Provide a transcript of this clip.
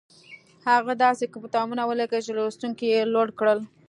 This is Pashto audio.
هغه داسې کتابونه وليکل چې لوستونکي يې لوړ کړل.